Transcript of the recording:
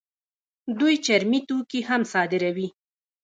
دوی چرمي توکي هم صادروي.